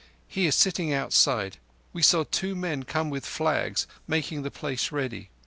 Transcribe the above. He is sitting outside. We saw two men come with flags, making the place ready.